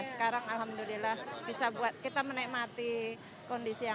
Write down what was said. sekarang alhamdulillah bisa buat kita menikmati kondisi yang